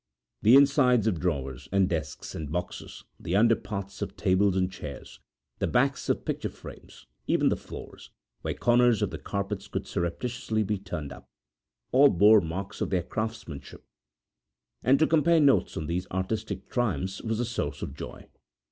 The insides of drawers, and desks, and boxes, the underparts of tables and chairs, the backs of pictures frames, even the floors, where corners of the carpets could surreptitiously be turned up, all bore marks of their craftsmanship; and to compare notes on these artistic triumphs was a source of joy.